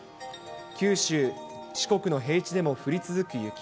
九州、四国の平地でも降り続く雪。